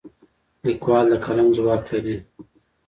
لیکوال د قلم ځواک لري.